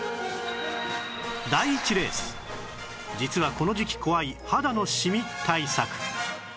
第１レース実はこの時期怖い肌のシミ対策